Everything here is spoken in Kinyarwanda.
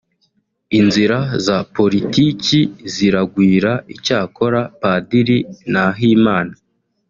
Inzira za politiki ziragwira icyakora Padiri Nahimana